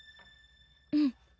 うん。